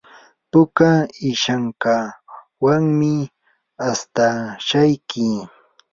puka ishankawanmi astashayki.